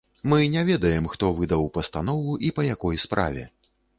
Мы не ведаем, хто выдаў пастанову і па якой справе.